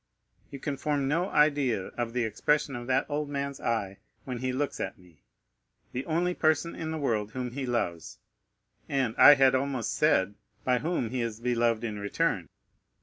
You can form no idea of the expression of that old man's eye when he looks at me, the only person in the world whom he loves, and, I had almost said, by whom he is beloved in return.